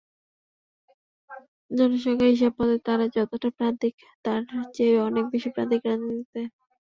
জনসংখ্যার হিসাবমতে তারা যতটা প্রান্তিক, তার চেয়ে অনেক বেশি প্রান্তিক রাজনীতিতে।